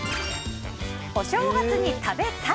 お正月に食べタイ！